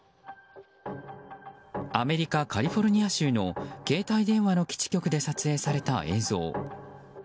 アメリカ・カリフォルニア州の携帯電話の基地局で撮影された映像。